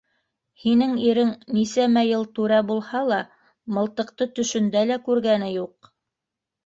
Һинең ирең нисәмә йыл түрә булһа ла, мылтыҡты төшөндә лә күргәне юҡ.